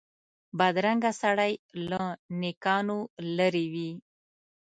بدرنګه سړی له نېکانو لرې وي